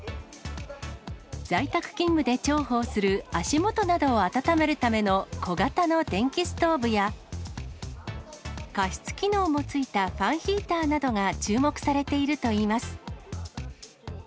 在宅勤務で重宝する足元などを温めるための小型の電気ストーブや、加湿機能も付いたファンヒーターなどが注目されているといいます。